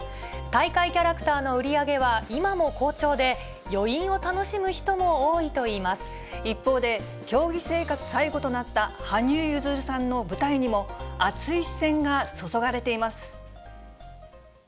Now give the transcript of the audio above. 大会キャラクターの売り上げは今も好調で、一方で、競技生活最後となった羽生結弦さんの舞台にも、熱い視線が注がれています。